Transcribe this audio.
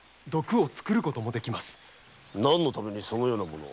何のためにそのようなものを。